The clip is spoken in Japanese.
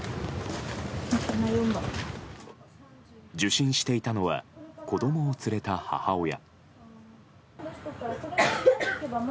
受診していたのは子供を連れた母親。